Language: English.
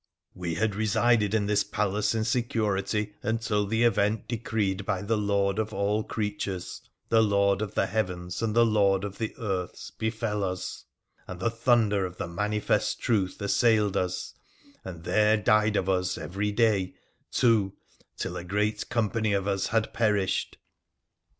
We had resided in this palace in security until the event decreed by the Lord of all creatures, the Lord of the heavens, and the Lord of the earths, befell us, and the thunder of the Manifest Truth assailed us, and there died of us every day two, till a great company of us had perished.